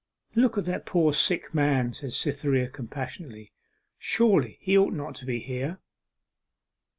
'Look at that poor sick man,' said Cytherea compassionately, 'surely he ought not to be here.